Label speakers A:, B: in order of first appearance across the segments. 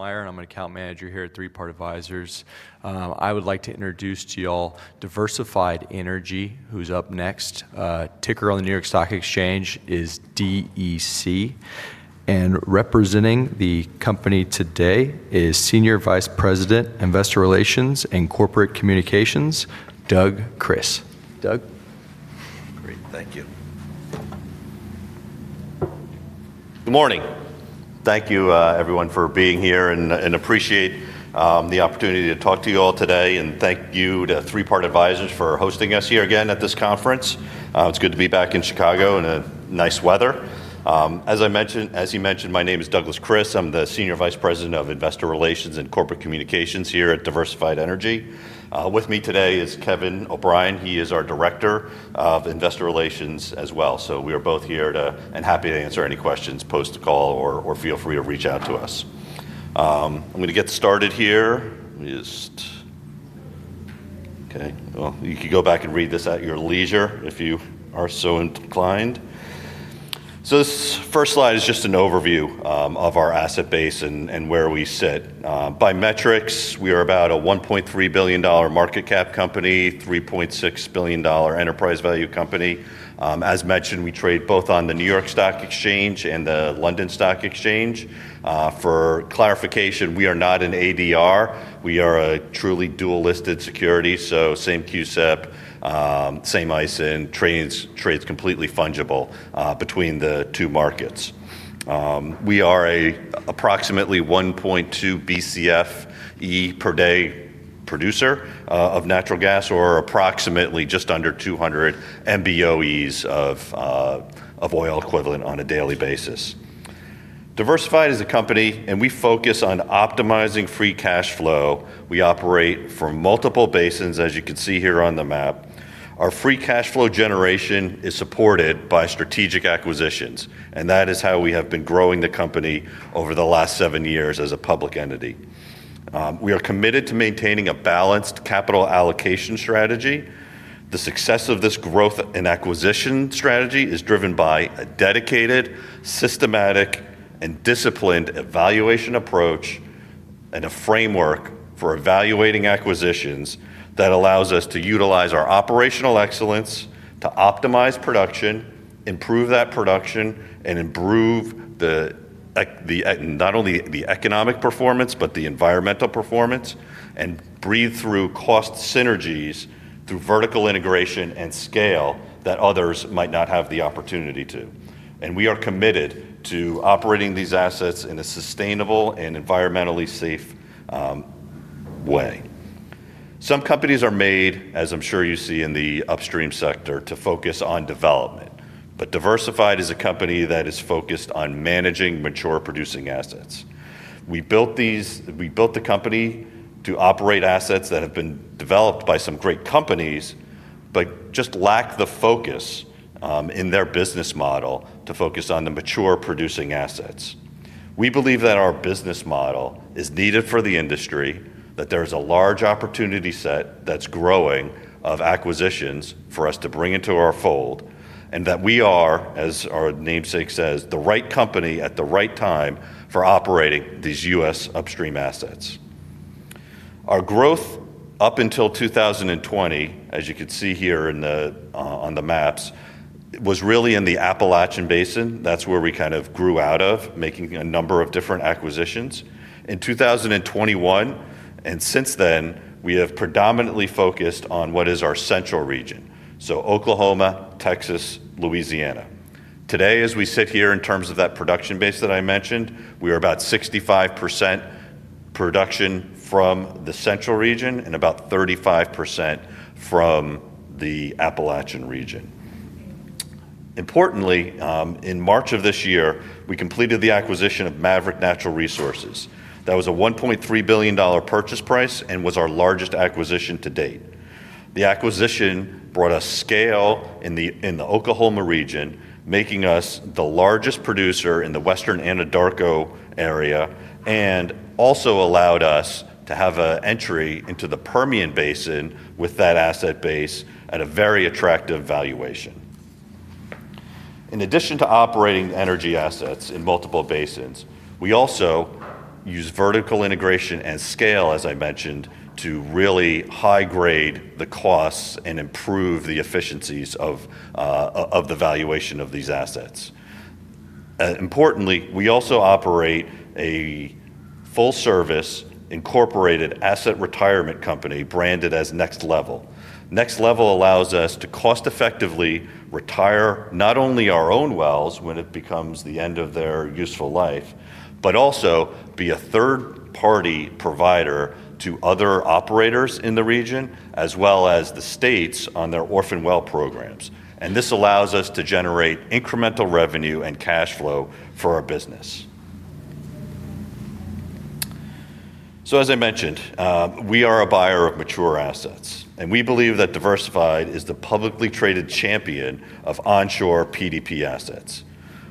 A: Hi, I'm an Account Manager here at Three Part Advisors. I would like to introduce to you all Diversified Energy, who's up next. Ticker on the New York Stock Exchange is DEC. Representing the company today is Senior Vice President, Investor Relations and Corporate Communications, Doug Kris. Doug?
B: Great, thank you. Good morning. Thank you, everyone, for being here and appreciate the opportunity to talk to you all today. Thank you to Three Part Advisors for hosting us here again at this conference. It's good to be back in Chicago in nice weather. As he mentioned, my name is Douglas Kris. I'm the Senior Vice President of Investor Relations and Corporate Communications here at Diversified Energy. With me today is Kevin O'Brien. He is our Director of Investor Relations as well. We are both here and happy to answer any questions, post a call, or feel free to reach out to us. I'm going to get started here. You can go back and read this at your leisure if you are so inclined. This first slide is just an overview of our asset base and where we sit. By metrics, we are about a $1.3 billion market cap company, $3.6 billion enterprise value company. As mentioned, we trade both on the New York Stock Exchange and the London Stock Exchange. For clarification, we are not an ADR. We are a truly dual-listed security. Same CUSIP, same ISIN, trades completely fungible between the two markets. We are an approximately 1.2 BCFE per day producer of natural gas, or approximately just under 200 MBOEs of oil equivalent on a daily basis. Diversified is a company and we focus on optimizing free cash flow. We operate from multiple basins, as you can see here on the map. Our free cash flow generation is supported by strategic acquisitions, and that is how we have been growing the company over the last seven years as a public entity. We are committed to maintaining a balanced capital allocation strategy. The success of this growth and acquisition strategy is driven by a dedicated, systematic, and disciplined evaluation approach and a framework for evaluating acquisitions that allows us to utilize our operational excellence to optimize production, improve that production, and improve not only the economic performance but the environmental performance, and breathe through cost synergies through vertical integration and scale that others might not have the opportunity to. We are committed to operating these assets in a sustainable and environmentally safe way. Some companies are made, as I'm sure you see in the upstream sector, to focus on development. Diversified is a company that is focused on managing mature producing assets. We built the company to operate assets that have been developed by some great companies, but just lack the focus in their business model to focus on the mature producing assets. We believe that our business model is needed for the industry, that there's a large opportunity set that's growing of acquisitions for us to bring into our fold, and that we are, as our namesake says, the right company at the right time for operating these U.S. upstream assets. Our growth up until 2020, as you can see here on the maps, was really in the Appalachian Basin. That's where we kind of grew out of, making a number of different acquisitions. In 2021, and since then, we have predominantly focused on what is our Central Region, so Oklahoma, Texas, Louisiana. Today, as we sit here in terms of that production base that I mentioned, we are about 65% production from the Central Region and about 35% from the Appalachian region. Importantly, in March of this year, we completed the acquisition of Maverick Natural Resources. That was a $1.3 billion purchase price and was our largest acquisition to date. The acquisition brought us scale in the Oklahoma region, making us the largest producer in the Western Anadarko area, and also allowed us to have an entry into the Permian Basin with that asset base at a very attractive valuation. In addition to operating energy assets in multiple basins, we also use vertical integration and scale, as I mentioned, to really high grade the costs and improve the efficiencies of the valuation of these assets. Importantly, we also operate a full-service incorporated asset retirement company branded as Next LVL. Next LVL allows us to cost-effectively retire not only our own wells when it becomes the end of their useful life, but also be a third-party provider to other operators in the region, as well as the states on their orphan well programs. This allows us to generate incremental revenue and cash flow for our business. As I mentioned, we are a buyer of mature assets, and we believe that Diversified is the publicly traded champion of onshore PDP assets.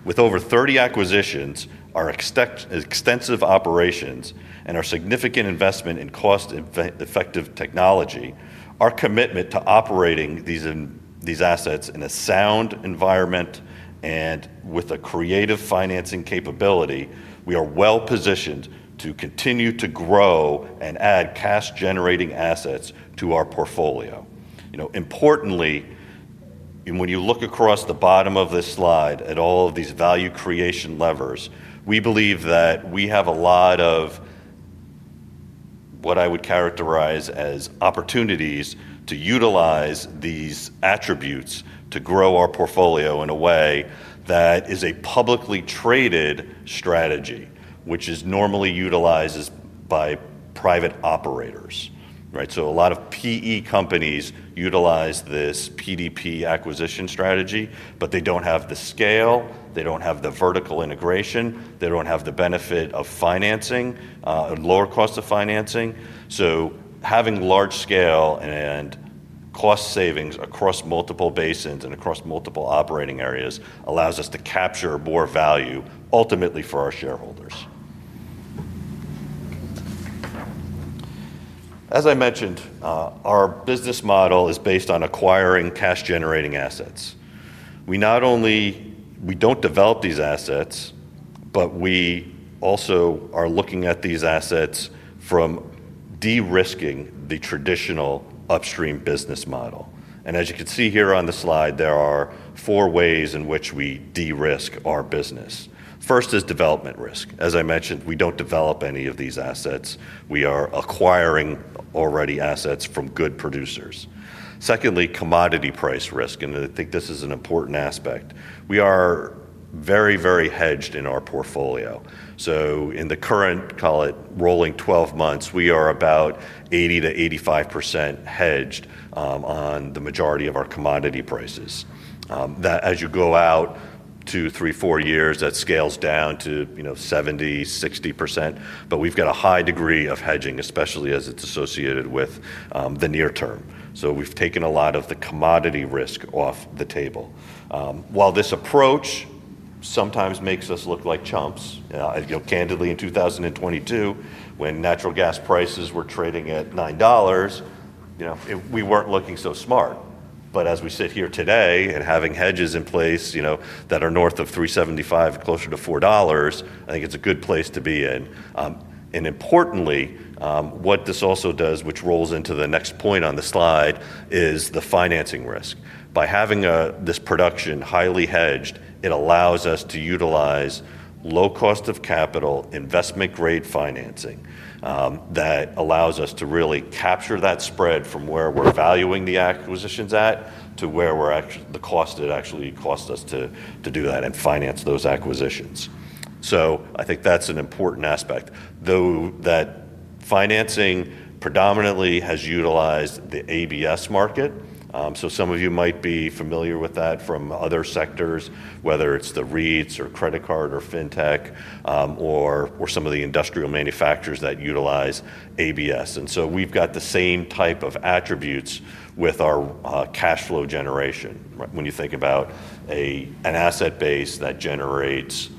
B: With over 30 acquisitions, our extensive operations, and our significant investment in cost-effective technology, our commitment to operating these assets in a sound environment and with a creative financing capability, we are well positioned to continue to grow and add cash-generating assets to our portfolio. You know, importantly, when you look across the bottom of this slide at all of these value creation levers, we believe that we have a lot of what I would characterize as opportunities to utilize these attributes to grow our portfolio in a way that is a publicly traded strategy, which is normally utilized by private operators. A lot of PE companies utilize this PDP acquisition strategy, but they don't have the scale, they don't have the vertical integration, they don't have the benefit of financing, a lower cost of financing. Having large scale and cost savings across multiple basins and across multiple operating areas allows us to capture more value ultimately for our shareholders. As I mentioned, our business model is based on acquiring cash-generating assets. We not only don't develop these assets, but we also are looking at these assets from de-risking the traditional upstream business model. As you can see here on the slide, there are four ways in which we de-risk our business. First is development risk. As I mentioned, we don't develop any of these assets. We are acquiring already assets from good producers. Secondly, commodity price risk, and I think this is an important aspect. We are very, very hedged in our portfolio. In the current, call it rolling 12 months, we are about 80%-85% hedged on the majority of our commodity prices. As you go out two, three, four years, that scales down to 70%, 60%, but we've got a high degree of hedging, especially as it's associated with the near term. We've taken a lot of the commodity risk off the table. While this approach sometimes makes us look like chumps, I go candidly, in 2022, when natural gas prices were trading at $9, we weren't looking so smart. As we sit here today and having hedges in place that are north of $3.75 and closer to $4, I think it's a good place to be in. Importantly, what this also does, which rolls into the next point on the slide, is the financing risk. By having this production highly hedged, it allows us to utilize low cost of capital investment-grade financing that allows us to really capture that spread from where we're valuing the acquisitions at to where the cost that it actually costs us to do that and finance those acquisitions. I think that's an important aspect. Though that financing predominantly has utilized the ABS market, some of you might be familiar with that from other sectors, whether it's the REITs or credit card or fintech or some of the industrial manufacturers that utilize ABS. We've got the same type of attributes with our cash flow generation. When you think about an asset base that generates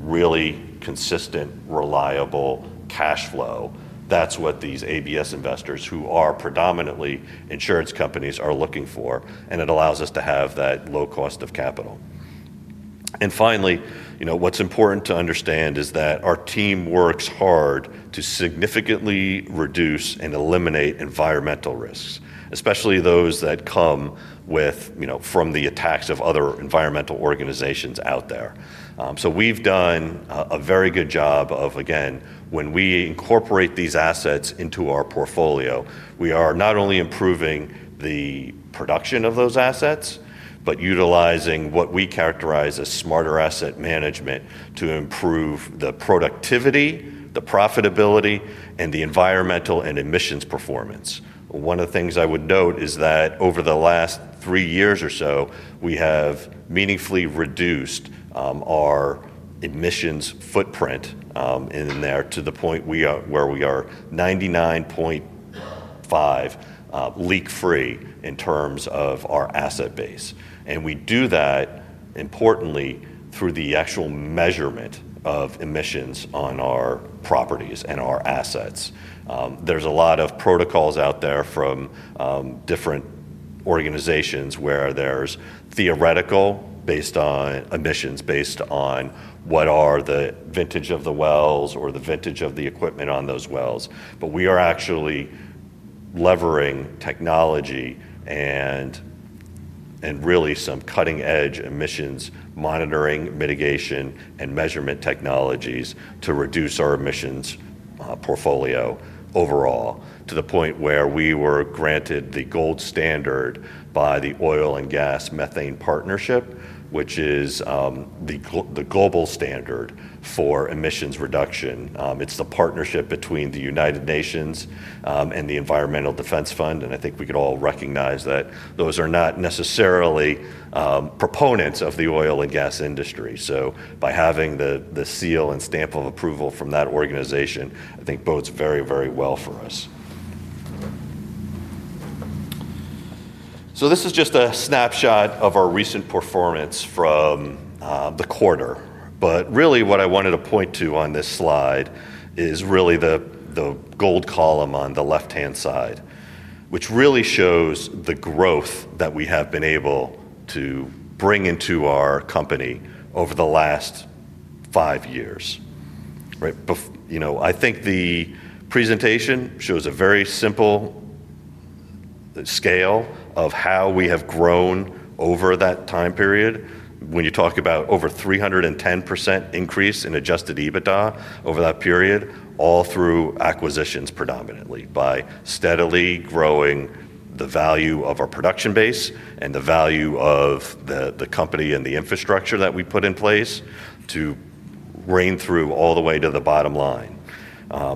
B: really consistent, reliable cash flow, that's what these ABS investors, who are predominantly insurance companies, are looking for. It allows us to have that low cost of capital. Finally, what's important to understand is that our team works hard to significantly reduce and eliminate environmental risks, especially those that come from the attacks of other environmental organizations out there. We've done a very good job of, again, when we incorporate these assets into our portfolio, we are not only improving the production of those assets, but utilizing what we characterize as smarter asset management to improve the productivity, the profitability, and the environmental and emissions performance. One of the things I would note is that over the last three years or so, we have meaningfully reduced our emissions footprint in there to the point where we are 99.5% leak-free in terms of our asset base. We do that importantly through the actual measurement of emissions on our properties and our assets. There's a lot of protocols out there from different organizations where there's theoretical based on emissions, based on what are the vintage of the wells or the vintage of the equipment on those wells. We are actually levering technology and really some cutting-edge emissions monitoring, mitigation, and measurement technologies to reduce our emissions portfolio overall to the point where we were granted the gold standard by the Oil & Gas Methane Partnership, which is the global standard for emissions reduction. It's the partnership between the United Nations and the Environmental Defense Fund. I think we could all recognize that those are not necessarily proponents of the oil and gas industry. By having the seal and stamp of approval from that organization, I think bodes very, very well for us. This is just a snapshot of our recent performance from the quarter. What I wanted to point to on this slide is really the gold column on the left-hand side, which really shows the growth that we have been able to bring into our company over the last five years. I think the presentation shows a very simple scale of how we have grown over that time period. When you talk about over 310% increase in adjusted EBITDA over that period, all through acquisitions predominantly by steadily growing the value of our production base and the value of the company and the infrastructure that we put in place to reign through all the way to the bottom line.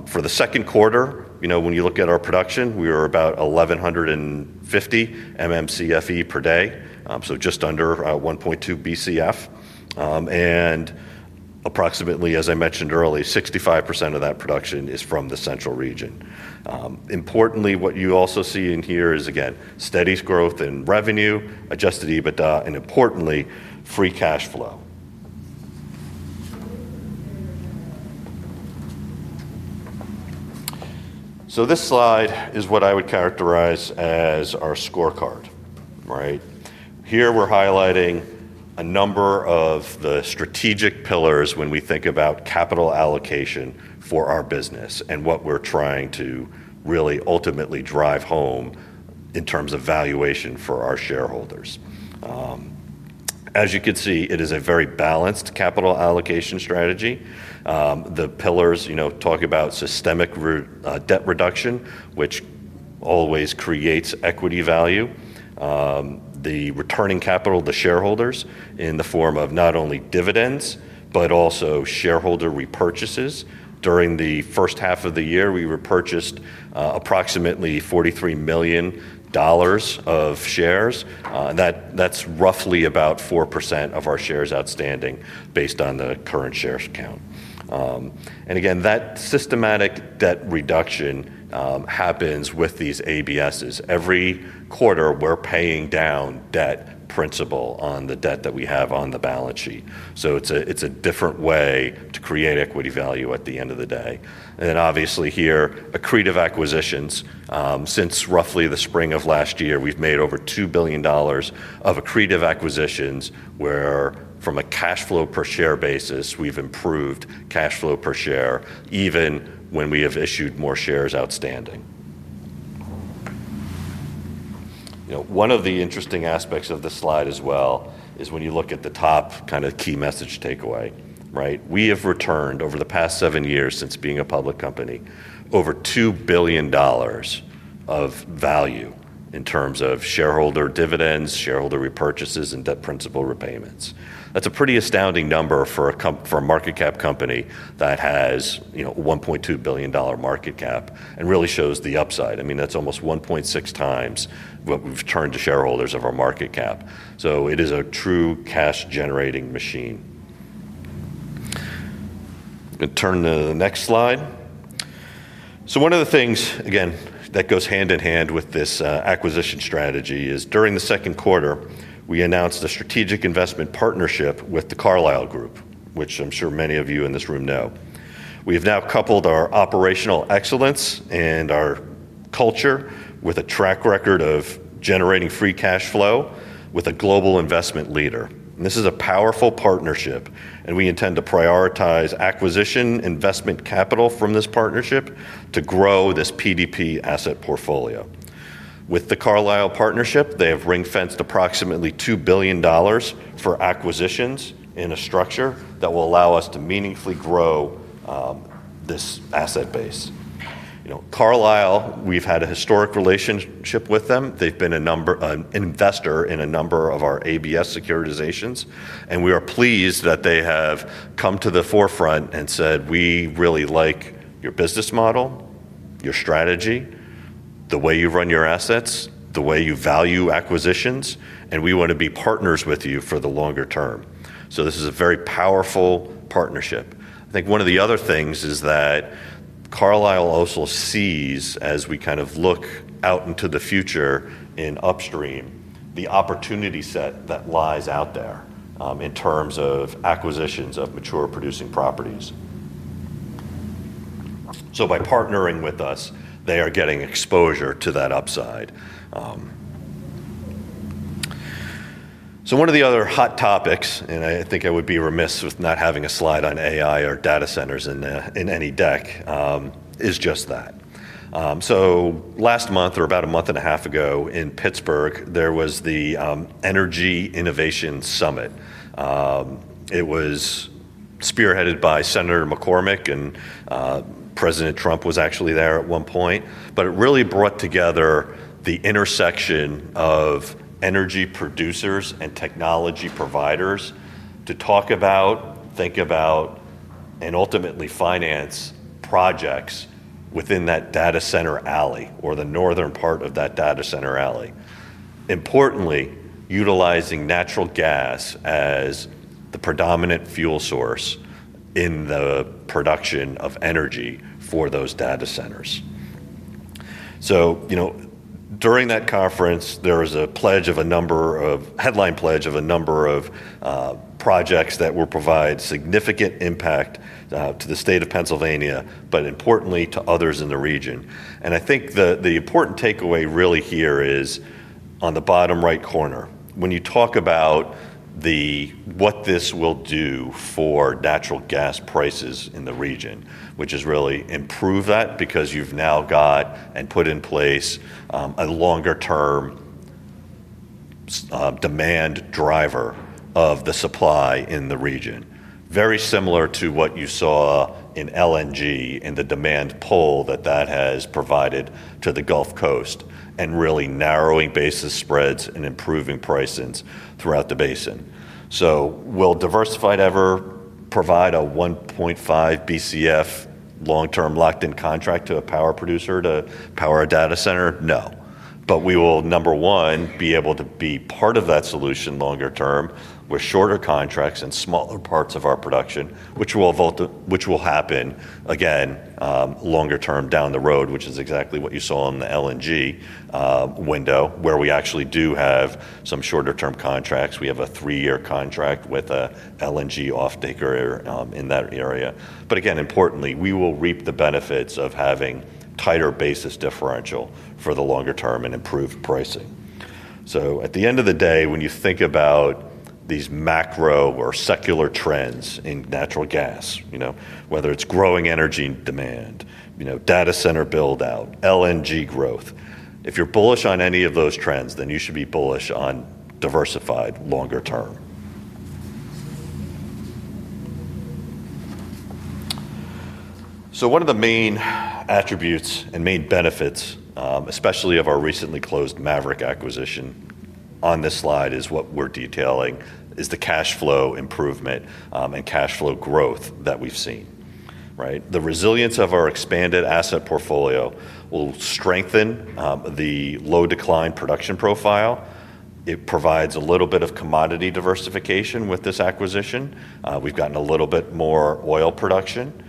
B: For the second quarter, when you look at our production, we were about 1,150 MMCFE per day, so just under 1.2 BCF. Approximately, as I mentioned earlier, 65% of that production is from the central region. Importantly, what you also see in here is, again, steady growth in revenue, adjusted EBITDA, and importantly, free cash flow. This slide is what I would characterize as our scorecard. Right here, we're highlighting a number of the strategic pillars when we think about capital allocation for our business and what we're trying to really ultimately drive home in terms of valuation for our shareholders. As you can see, it is a very balanced capital allocation strategy. The pillars talk about systemic debt reduction, which always creates equity value, the returning capital to shareholders in the form of not only dividends, but also shareholder repurchases. During the first half of the year, we repurchased approximately $43 million of shares. That's roughly about 4% of our shares outstanding based on the current shares count. That systematic debt reduction happens with these ABSs. Every quarter, we're paying down debt principal on the debt that we have on the balance sheet. It's a different way to create equity value at the end of the day. Obviously here, accretive acquisitions. Since roughly the spring of last year, we've made over $2 billion of accretive acquisitions where, from a cash flow per share basis, we've improved cash flow per share, even when we have issued more shares outstanding. One of the interesting aspects of the slide as well is when you look at the top kind of key message takeaway. We have returned over the past seven years since being a public company, over $2 billion of value in terms of shareholder dividends, shareholder repurchases, and debt principal repayments. That's a pretty astounding number for a company that has a $1.2 billion market cap and really shows the upside. I mean, that's almost 1.6x what we've turned to shareholders of our market cap. It is a true cash-generating machine. I'm going to turn to the next slide. One of the things, again, that goes hand in hand with this acquisition strategy is during the second quarter, we announced the strategic investment partnership with The Carlyle Group, which I'm sure many of you in this room know. We've now coupled our operational excellence and our culture with a track record of generating free cash flow with a global investment leader. This is a powerful partnership, and we intend to prioritize acquisition investment capital from this partnership to grow this PDP asset portfolio. With The Carlyle partnership, they have ring-fenced approximately $2 billion for acquisitions in a structure that will allow us to meaningfully grow this asset base. Carlyle, we've had a historic relationship with them. They've been an investor in a number of our ABS securitizations, and we are pleased that they have come to the forefront and said, "We really like your business model, your strategy, the way you run your assets, the way you value acquisitions, and we want to be partners with you for the longer term." This is a very powerful partnership. I think one of the other things is that Carlyle also sees, as we kind of look out into the future in upstream, the opportunity set that lies out there in terms of acquisitions of mature producing properties. By partnering with us, they are getting exposure to that upside. One of the other hot topics, and I think I would be remiss with not having a slide on AI or data centers in any deck, is just that. Last month, or about a month and a half ago in Pittsburgh, there was the Energy and Innovation Summit. It was spearheaded by Senator McCormick, and President Trump was actually there at one point. It really brought together the intersection of energy producers and technology providers to talk about, think about, and ultimately finance projects within that data center alley, or the northern part of that data center alley. Importantly, utilizing natural gas as the predominant fuel source in the production of energy for those data centers. During that conference, there was a pledge of a number of headline pledge of a number of projects that would provide significant impact to the State of Pennsylvania, but importantly to others in the region. I think the important takeaway really here is on the bottom right corner, when you talk about what this will do for natural gas prices in the region, which is really improve that because you've now got and put in place a longer-term demand driver of the supply in the region. Very similar to what you saw in LNG and the demand pull that that has provided to the Gulf Coast and really narrowing basis spreads and improving pricing throughout the basin. Will Diversified ever provide a 1.5 BCF long-term locked-in contract to a power producer to power a data center? No. We will, number one, be able to be part of that solution longer term with shorter contracts and smaller parts of our production, which will happen again longer term down the road, which is exactly what you saw on the LNG window where we actually do have some shorter-term contracts. We have a three-year contract with an LNG off-taker in that area. Importantly, we will reap the benefits of having tighter basis differential for the longer term and improved pricing. At the end of the day, when you think about these macro or secular trends in natural gas, whether it's growing energy and demand, data center build-out, LNG growth, if you're bullish on any of those trends, then you should be bullish on Diversified longer term. One of the main attributes and main benefits, especially of our recently closed Maverick acquisition on this slide, is what we're detailing, is the cash flow improvement and cash flow growth that we've seen. The resilience of our expanded asset portfolio will strengthen the low-decline production profile. It provides a little bit of commodity diversification with this acquisition. We've gotten a little bit more oil production.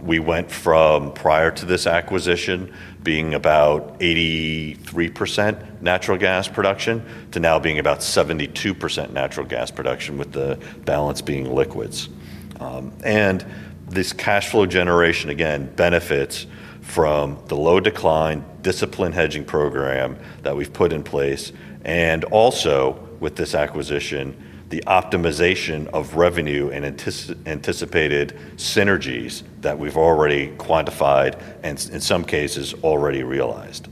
B: We went from prior to this acquisition being about 83% natural gas production to now being about 72% natural gas production with the balance being liquids. This cash flow generation, again, benefits from the low-decline discipline hedging program that we've put in place. Also with this acquisition, the optimization of revenue and anticipated synergies that we've already quantified and in some cases already realized.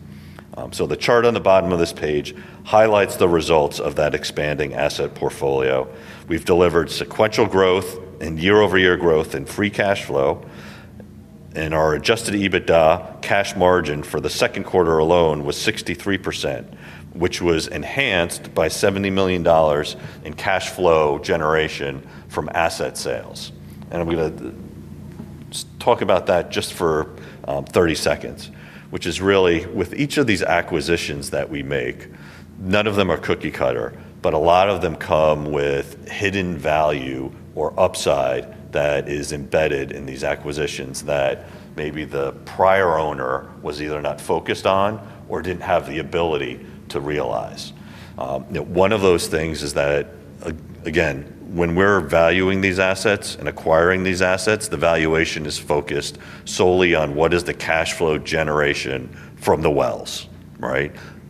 B: The chart on the bottom of this page highlights the results of that expanding asset portfolio. We've delivered sequential growth and year-over-year growth in free cash flow. Our adjusted EBITDA cash margin for the second quarter alone was 63%, which was enhanced by $70 million in cash flow generation from asset sales. I'm going to talk about that just for 30 seconds, which is really with each of these acquisitions that we make, none of them are cookie cutter, but a lot of them come with hidden value or upside that is embedded in these acquisitions that maybe the prior owner was either not focused on or didn't have the ability to realize. One of those things is that, again, when we're valuing these assets and acquiring these assets, the valuation is focused solely on what is the cash flow generation from the wells,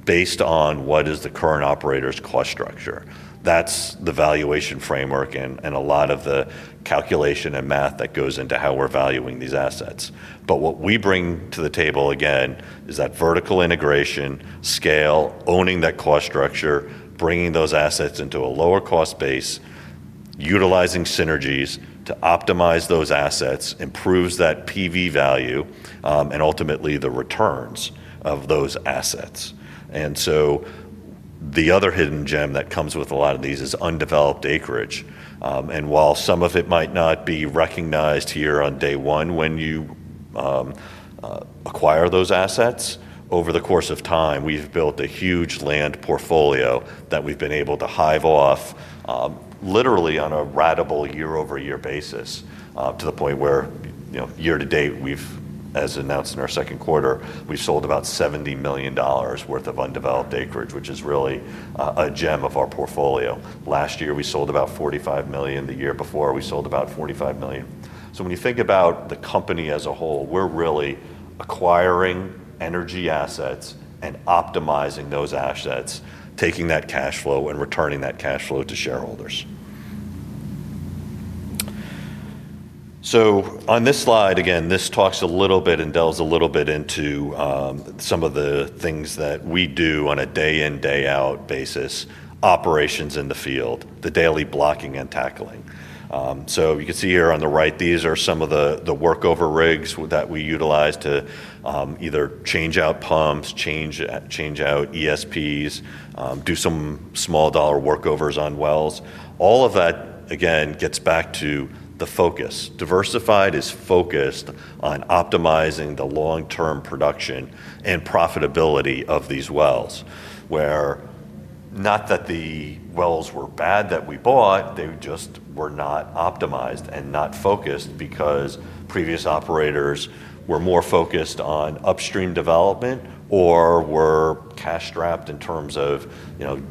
B: based on what is the current operator's cost structure. That's the valuation framework and a lot of the calculation and math that goes into how we're valuing these assets. What we bring to the table, again, is that vertical integration, scale, owning that cost structure, bringing those assets into a lower cost base, utilizing synergies to optimize those assets, improves that PV value, and ultimately the returns of those assets. The other hidden gem that comes with a lot of these is undeveloped acreage. While some of it might not be recognized here on day one when you acquire those assets, over the course of time, we've built a huge land portfolio that we've been able to hive off literally on a ratable year-over-year basis to the point where year to date, as announced in our second quarter, we've sold about $70 million worth of undeveloped acreage, which is really a gem of our portfolio. Last year, we sold about $45 million. The year before, we sold about $45 million. When you think about the company as a whole, we're really acquiring energy assets and optimizing those assets, taking that cash flow and returning that cash flow to shareholders. On this slide, again, this talks a little bit and delves a little bit into some of the things that we do on a day-in, day-out basis, operations in the field, the daily blocking and tackling. You can see here on the right, these are some of the workover rigs that we utilize to either change out pumps, change out ESPs, do some small dollar workovers on wells. All of that, again, gets back to the focus. Diversified is focused on optimizing the long-term production and profitability of these wells, where not that the wells were bad that we bought, they just were not optimized and not focused because previous operators were more focused on upstream development or were cash strapped in terms of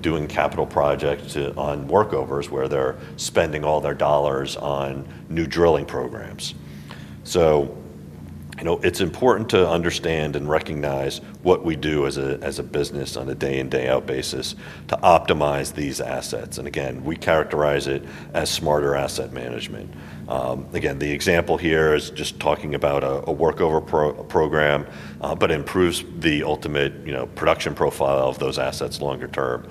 B: doing capital projects on workovers where they're spending all their dollars on new drilling programs. It's important to understand and recognize what we do as a business on a day-in, day-out basis to optimize these assets. We characterize it as smarter asset management. The example here is just talking about a workover program, but it improves the ultimate production profile of those assets longer term.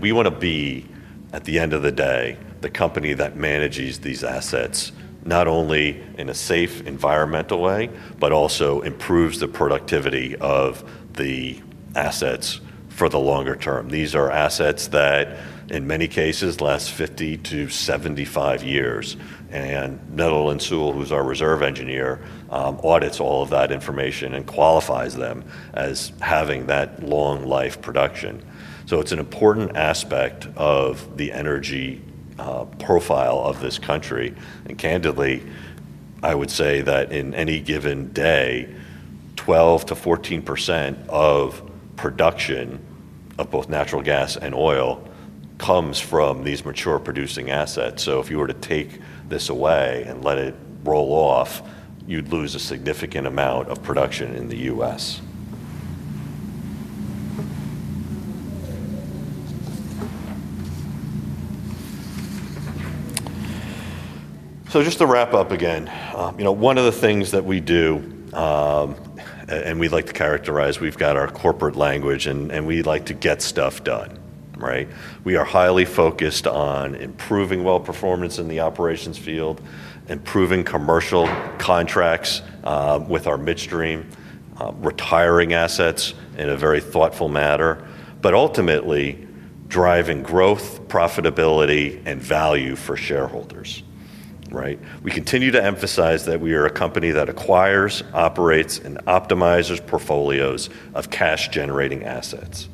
B: We want to be, at the end of the day, the company that manages these assets not only in a safe environmental way, but also improves the productivity of the assets for the longer term. These are assets that, in many cases, last 50-75 years. Netherland, Sewell, who's our reserve engineer, audits all of that information and qualifies them as having that long-life production. It's an important aspect of the energy profile of this country. Candidly, I would say that in any given day, 12%-14% of production of both natural gas and oil comes from these mature producing assets. If you were to take this away and let it roll off, you'd lose a significant amount of production in the U.S. Just to wrap up again, one of the things that we do, and we like to characterize, we've got our corporate language and we like to get stuff done. We are highly focused on improving well performance in the operations field, improving commercial contracts with our midstream, retiring assets in a very thoughtful manner, ultimately driving growth, profitability, and value for shareholders. We continue to emphasize that we are a company that acquires, operates, and optimizes portfolios of cash-generating assets.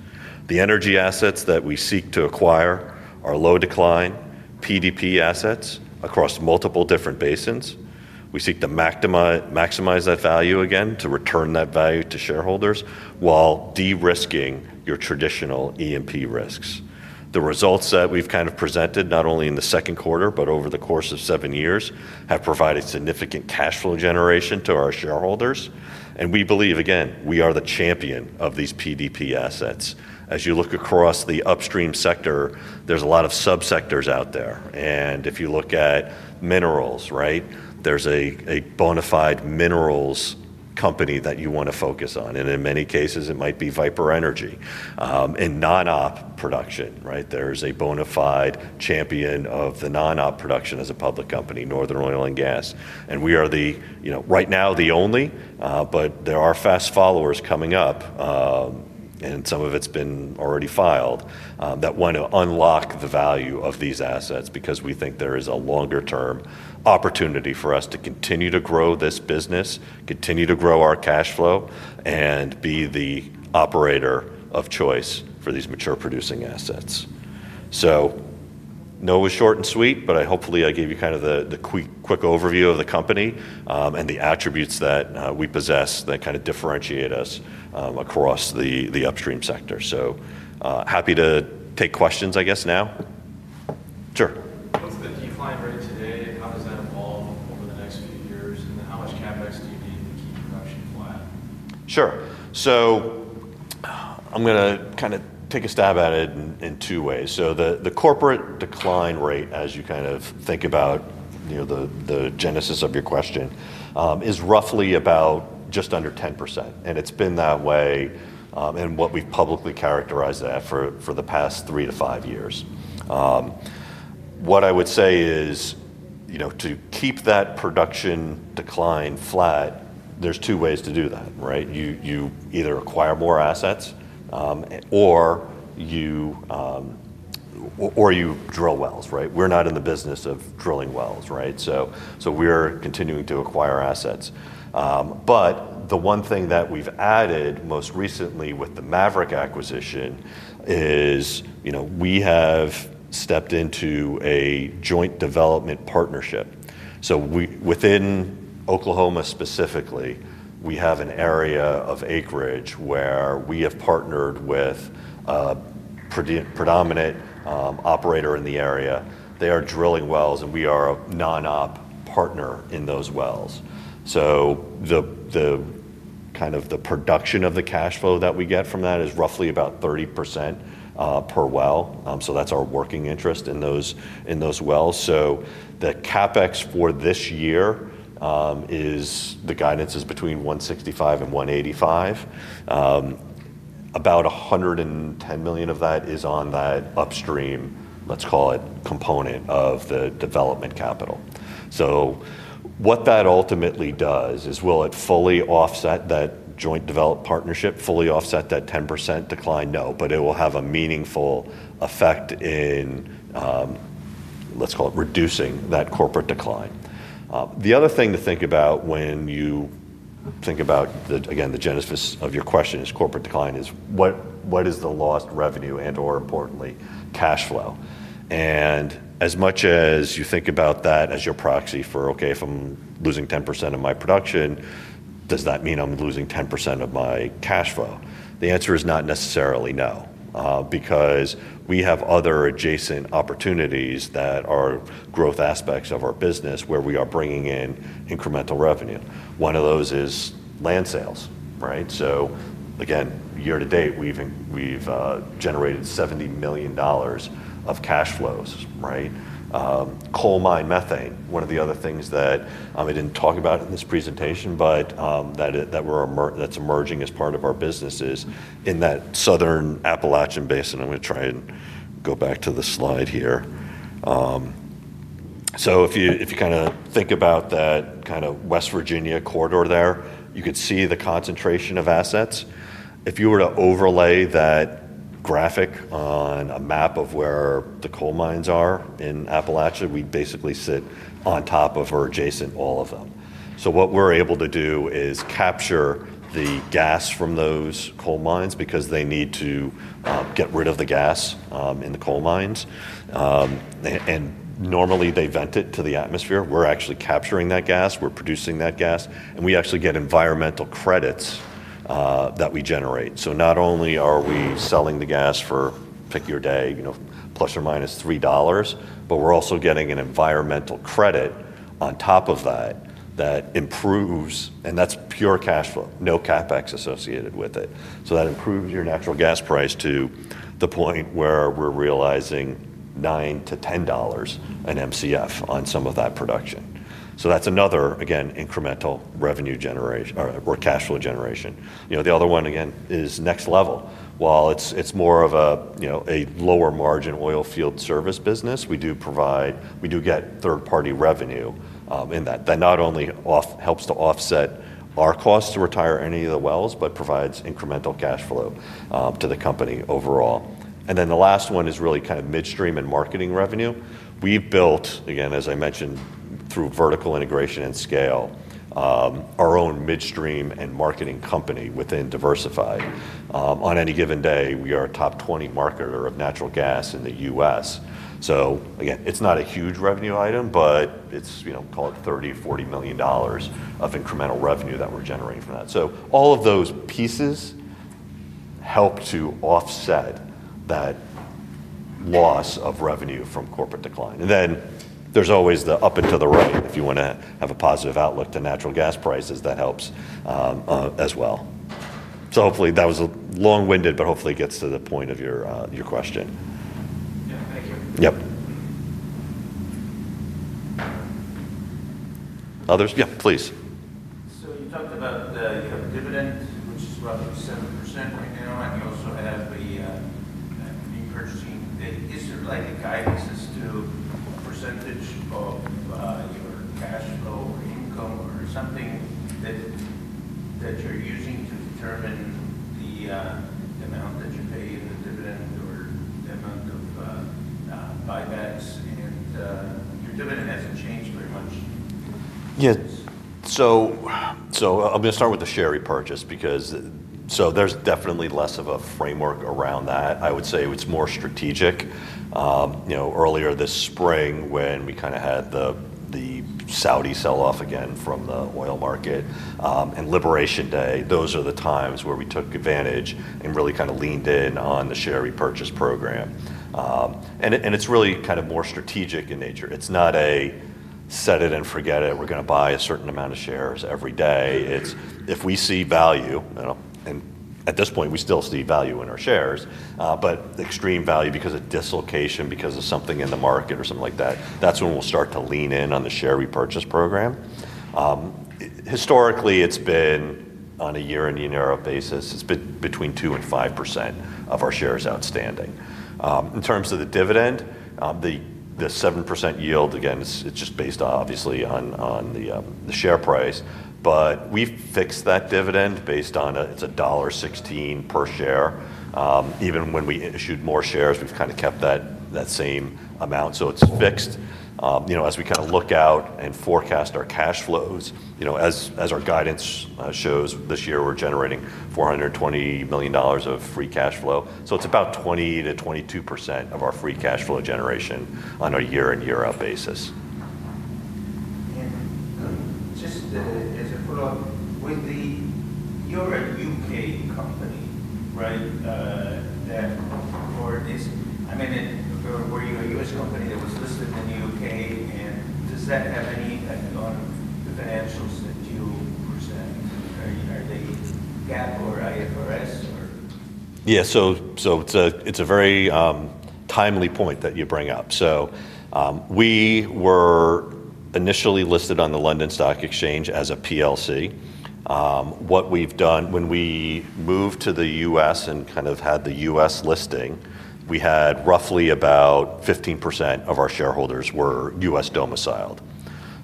B: The energy assets that we seek to acquire are low-decline PDP assets across multiple different basins. We seek to maximize that value again to return that value to shareholders while de-risking your traditional E&P risks. The results that we've presented, not only in the second quarter, but over the course of seven years, have provided significant cash flow generation to our shareholders. We believe we are the champion of these PDP assets. As you look across the upstream sector, there's a lot of subsectors out there. If you look at minerals, there's a bona fide minerals company that you want to focus on. In many cases, it might be Viper Energy. In non-op production, there's a bona fide champion of the non-op production as a public company, Northern Oil and Gas. We are, right now, the only, but there are fast followers coming up, and some of it's been already filed, that want to unlock the value of these assets because we think there is a longer-term opportunity for us to continue to grow this business, continue to grow our cash flow, and be the operator of choice for these mature producing assets. No one's short and sweet, but hopefully I gave you kind of the quick overview of the company and the attributes that we possess that differentiate us across the upstream sector. Happy to take questions, I guess, now. Sure.
C: What's the corporate decline rate today, how is that over the next few years, and then how much CapEx do you need to keep production flat?
B: Sure. I'm going to kind of take a stab at it in two ways. The corporate decline rate, as you kind of think about the genesis of your question, is roughly about just under 10%. It's been that way in what we've publicly characterized for the past three to five years. What I would say is, to keep that production decline flat, there are two ways to do that. You either acquire more assets or you drill wells. We're not in the business of drilling wells, so we're continuing to acquire assets. The one thing that we've added most recently with the Maverick acquisition is we have stepped into a joint development partnership. Within Oklahoma specifically, we have an area of acreage where we have partnered with a predominant operator in the area. They are drilling wells, and we are a non-op partner in those wells. The production of the cash flow that we get from that is roughly about 30% per well. That's our working interest in those wells. The CapEx for this year is the guidance is between $165 million and $185 million. About $110 million of that is on that upstream, let's call it, component of the development capital. What that ultimately does is, will it fully offset that joint development partnership, fully offset that 10% decline? No, but it will have a meaningful effect in, let's call it, reducing that corporate decline. The other thing to think about when you think about, again, the genesis of your question is corporate decline, is what is the lost revenue and/or, importantly, cash flow? As much as you think about that as your proxy for, okay, if I'm losing 10% of my production, does that mean I'm losing 10% of my cash flow? The answer is not necessarily no, because we have other adjacent opportunities that are growth aspects of our business where we are bringing in incremental revenue. One of those is land sales. Year to date, we've generated $70 million of cash flows. Coal mine methane, one of the other things that I didn't talk about in this presentation, but that's emerging as part of our businesses in that Southern Appalachian Basin. I'm going to try and go back to the slide here. If you kind of think about that West Virginia Corridor there, you could see the concentration of assets. If you were to overlay that graphic on a map of where the coal mines are in Appalachia, we basically sit on top of or adjacent all of them. What we're able to do is capture the gas from those coal mines because they need to get rid of the gas in the coal mines. Normally, they vent it to the atmosphere. We're actually capturing that gas. We're producing that gas. We actually get environmental credits that we generate. Not only are we selling the gas for, pick your day, ±$3, but we're also getting an environmental credit on top of that that improves, and that's pure cash flow, no CapEx associated with it. That improves your natural gas price to the point where we're realizing $9-$10 an MCF on some of that production. That's another, again, incremental revenue generation or cash flow generation. The other one, again, is Next LVL. While it's more of a lower margin oil field service business, we do provide, we do get third-party revenue in that. That not only helps to offset our costs to retire any of the wells, but provides incremental cash flow to the company overall. The last one is really kind of midstream and marketing revenue. We've built, again, as I mentioned, through vertical integration and scale, our own midstream and marketing company within Diversified. On any given day, we are a top 20 marketer of natural gas in the U.S. It's not a huge revenue item, but it's, you know, call it $30 million, $40 million of incremental revenue that we're generating from that. All of those pieces help to offset that loss of revenue from corporate decline. There's always the up and to the right if you want to have a positive outlook to natural gas prices that helps as well. Hopefully that was a long-winded, but hopefully it gets to the point of your question.
C: Yeah, thank you.
B: Yep. Others? Yeah, please.
D: You talked about the dividend, which is probably 7% right now. The most fun I had would be that being purchasing issued by the guidance as to percentage of cash flow or income or something that you're using to determine the amount that you pay in the dividend or the amount of buybacks. Your dividend hasn't changed very much.
B: Yes. I'm going to start with the share repurchase because there's definitely less of a framework around that. I would say it's more strategic. Earlier this spring, when we kind of had the Saudi sell-off again from the oil market and Liberation Day, those are the times where we took advantage and really kind of leaned in on the share repurchase program. It's really kind of more strategic in nature. It's not a set it and forget it. We're going to buy a certain amount of shares every day. If we see value, and at this point, we still see value in our shares, but the extreme value because of dislocation, because of something in the market or something like that, that's when we'll start to lean in on the share repurchase program. Historically, it's been on a year-end basis. It's been between 2% and 5% of our shares outstanding. In terms of the dividend, the 7% yield, again, it's just based on, obviously, on the share price. We've fixed that dividend based on it's $1.16 per share. Even when we issued more shares, we've kind of kept that same amount. It's fixed. As we kind of look out and forecast our cash flows, as our guidance shows this year, we're generating $420 million of free cash flow. It's about 20%-22% of our free cash flow generation on a year-end basis.
D: Just as a follow-up, when you're a U.K. company, right, that afford this, I mean, were you a U.S. company that was listed in the U.K., and does that have any kind of financials that you looked at?
B: Yeah, so it's a very timely point that you bring up. We were initially listed on the London Stock Exchange as a PLC. What we've done, when we moved to the U.S. and kind of had the U.S. listing, we had roughly about 15% of our shareholders were U.S. domiciled.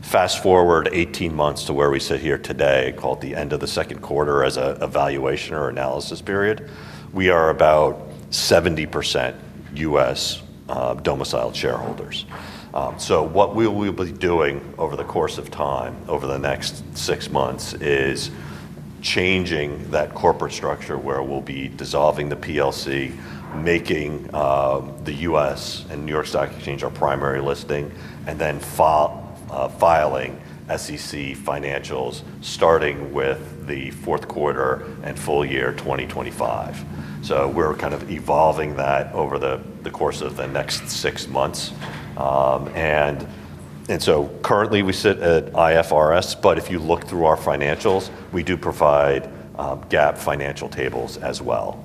B: Fast forward 18 months to where we sit here today, call the end of the second quarter as a valuation or analysis period, we are about 70% U.S. domiciled shareholders. What we will be doing over the course of time, over the next six months, is changing that corporate structure where we'll be dissolving the PLC, making the U.S. and New York Stock Exchange our primary listing, and then filing SEC financials starting with the fourth quarter and full year 2025. We're kind of evolving that over the course of the next six months. Currently, we sit at IFRS, but if you look through our financials, we do provide GAAP financial tables as well.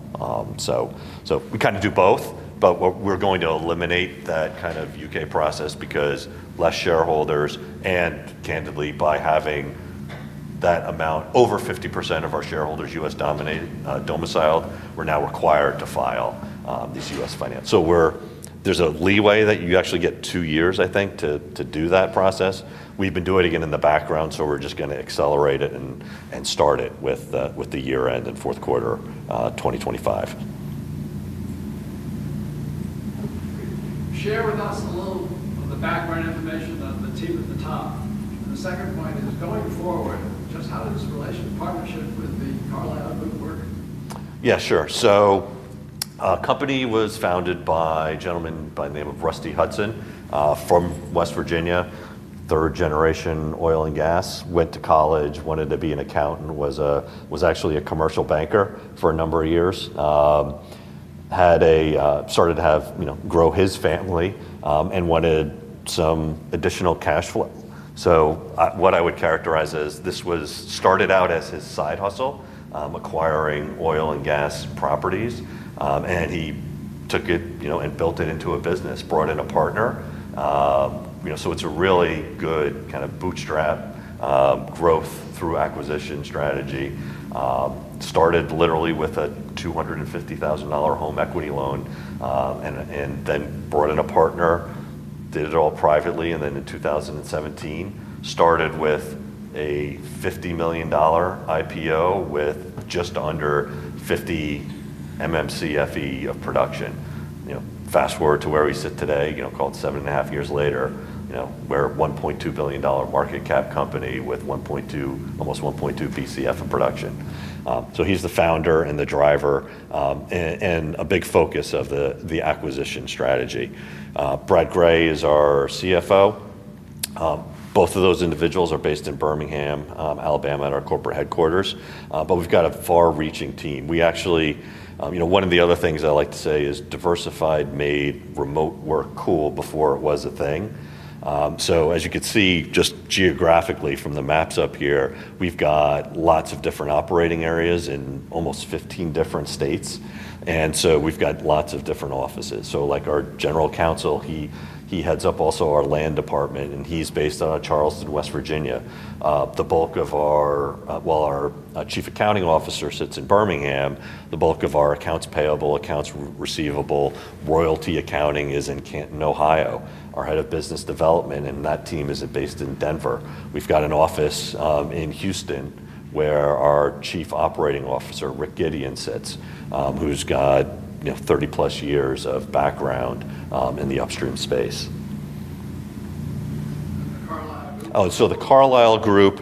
B: We kind of do both, but we're going to eliminate that kind of U.K. process because less shareholders, and candidly, by having that amount, over 50% of our shareholders U.S.-domiciled, we're now required to file these U.S. finance. There's a leeway that you actually get two years, I think, to do that process. We've been doing it again in the background, so we're just going to accelerate it and start it with the year-end and fourth quarter 2025.
E: Share with us a little of the background information about the team at the top. The second point is going forward, just how does the relationship partnership with The Carlyle Group work?
B: Yeah, sure. The company was founded by a gentleman by the name of Rusty Hutson from West Virginia, third-generation oil and gas, went to college, wanted to be an accountant, was actually a commercial banker for a number of years, started to grow his family and wanted some additional cash flow. What I would characterize as this was started out as his side hustle, acquiring oil and gas properties, and he took it and built it into a business, brought in a partner. It's a really good kind of bootstrap growth through acquisition strategy. Started literally with a $250,000 home equity loan and then brought in a partner, did it all privately, and then in 2017, started with a $50 million IPO with just under 50 MMCFE of production. Fast forward to where we sit today, called seven and a half years later, we're a $1.2 billion market cap company with almost 1.2 BCF of production. He's the founder and the driver and a big focus of the acquisition strategy. Brad Gray is our CFO. Both of those individuals are based in Birmingham, Alabama, at our corporate headquarters, but we've got a far-reaching team. One of the other things I like to say is Diversified made remote work cool before it was a thing. As you can see, just geographically from the maps up here, we've got lots of different operating areas in almost 15 different states. We've got lots of different offices. Our General Counsel, he heads up also our land department, and he's based out of Charleston, West Virginia. While our Chief Accounting Officer sits in Birmingham, the bulk of our accounts payable, accounts receivable, royalty accounting is in Canton, Ohio. Our Head of Business Development and that team is based in Denver. We've got an office in Houston where our Chief Operating Officer, Rick Gideon, sits, who's got 30+ years of background in the upstream space. The Carlyle Group,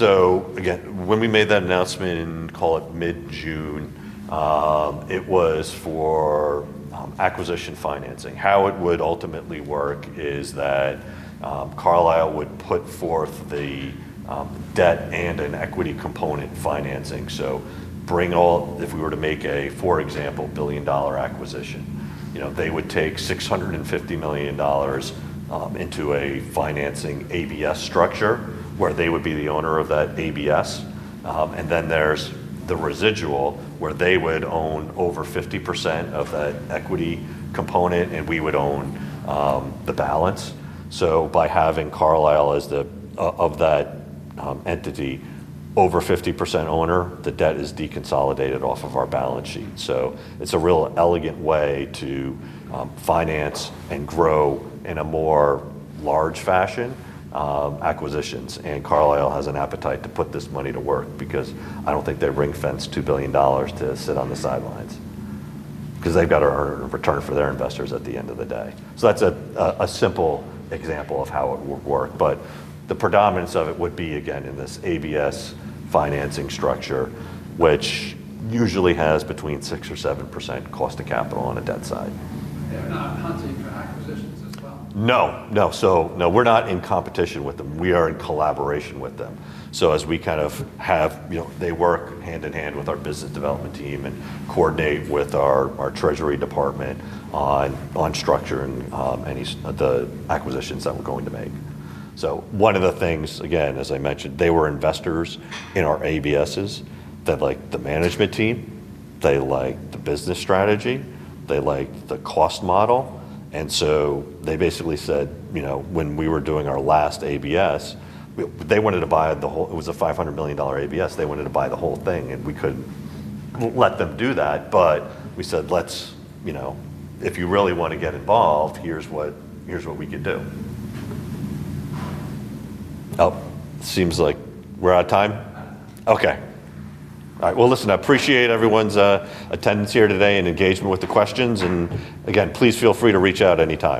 B: when we made that announcement, call it mid-June, it was for acquisition financing. How it would ultimately work is that Carlyle would put forth the debt and an equity component financing. If we were to make a, for example, billion-dollar acquisition, they would take $650 million into a financing ABS structure where they would be the owner of that ABS. There's the residual where they would own over 50% of that equity component, and we would own the balance. By having Carlyle as the entity over 50% owner, the debt is deconsolidated off of our balance sheet. It's a real elegant way to finance and grow in a more large fashion acquisitions. Carlyle has an appetite to put this money to work because I don't think they ring-fence $2 billion to sit on the sidelines because they've got to earn a return for their investors at the end of the day. That's a simple example of how it would work. The predominance of it would be, again, in this ABS financing structure, which usually has between 6% or 7% cost of capital on a debt side.
E: Let's see.
B: No, we're not in competition with them. We are in collaboration with them. As we kind of have, you know, they work hand in hand with our Business Development team and coordinate with our Treasury department on structure and any of the acquisitions that we're going to make. One of the things, again, as I mentioned, they were investors in our ABSs that like the management team, they like the business strategy, they like the cost model. They basically said, you know, when we were doing our last ABS, they wanted to buy the whole, it was a $500 million ABS, they wanted to buy the whole thing, and we couldn't let them do that. We said, if you really want to get involved, here's what we could do. Seems like we're out of time. All right. I appreciate everyone's attendance here today and engagement with the questions. Again, please feel free to reach out anytime.